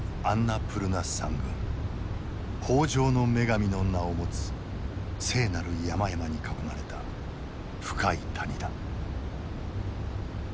豊穣の女神の名を持つ聖なる山々に囲まれた深い谷だ。